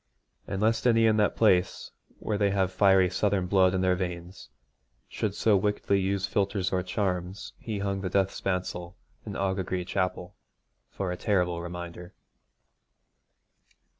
And lest any in that place, where they have fiery southern blood in their veins, should so wickedly use philtres or charms, he hung the death spancel in Aughagree Chapel for a terrible reminder.